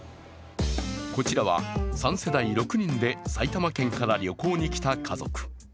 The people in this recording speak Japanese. こちらは３世代６人で埼玉県から旅行に来た家族。